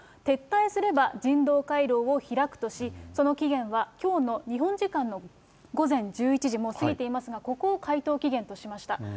撤退すれば、人道回廊を開くとし、その期限はきょうの日本時間の午前１１時、もう過ぎていますが、ここを回答期限としました。